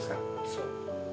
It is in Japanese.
そう。